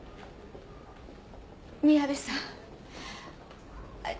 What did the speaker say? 宮部さん。